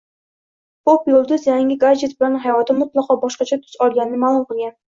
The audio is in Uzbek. Pop-yulduz yangi gadjet bilan hayoti mutlaqo boshqacha tus olganini ma’lum qilgan